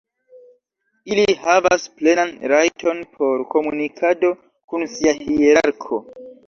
Ili havas plenan rajton por komunikado kun sia hierarko.